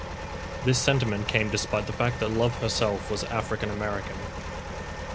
This sentiment came despite the fact that Love herself was African American.